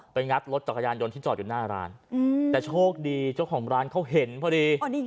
งัดรถจักรยานยนต์ที่จอดอยู่หน้าร้านแต่โชคดีเจ้าของร้านเขาเห็นพอดี